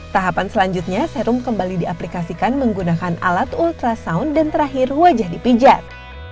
tahapan selanjutnya serum kembali diaplikasikan menggunakan alat ultrasound dan terakhir wajah dipijat